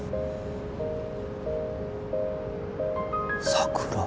桜。